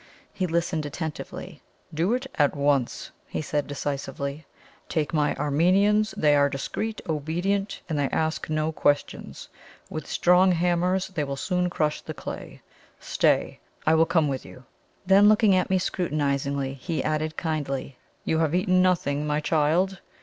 He listened attentively. "Do it at once," he said decisively. "Take my Armenians; they are discreet, obedient, and they ask no questions with strong hammers they will soon crush the clay. Stay! I will come with you." Then looking at me scrutinizingly, he added kindly: "You have eaten nothing, my child?